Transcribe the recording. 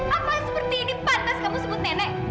apa seperti ini pantas kamu sebut nenek